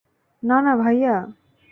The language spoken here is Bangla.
না না ভাইয়া।